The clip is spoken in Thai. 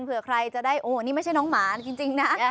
เผื่อใครจะได้โอ้นี่ไม่ใช่น้องหมาจริงนะ